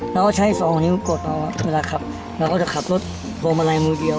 แล้วก็ใช้๒นิ้วกดเวลาขับแล้วก็จะขับรถโทรมาลัยมือเดียว